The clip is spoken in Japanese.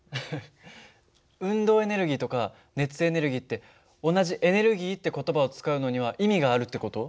運動エネルギーとか熱エネルギーって同じ「エネルギー」って言葉を使うのには意味があるって事？